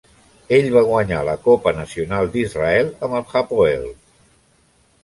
Ell va guanyar la Copa Nacional d'Israel amb el Hapoel.